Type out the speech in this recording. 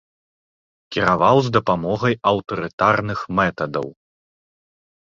Кіраваў з дапамогай аўтарытарных метадаў.